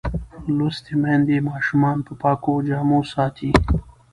لوستې میندې ماشومان په پاکو جامو ساتي.